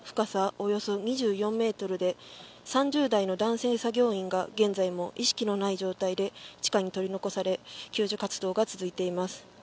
およそ２４ｍで３０代の男性作業員が現在も意識のない状態で地下に取り残され救助活動が続いています。